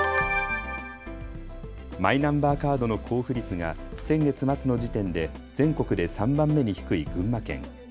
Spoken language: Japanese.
マイナンバーカードの交付率が先月末の時点で全国で３番目に低い群馬県。